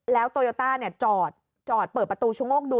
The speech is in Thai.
แล้วโตโยต้าเนี่ยจอดจอดเปิดประตูชุโงคดู